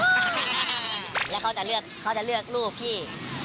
แล้วเขาจะเลือกรูปที่